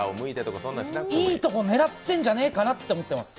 いいところ狙ってんじゃないかなと思ってます。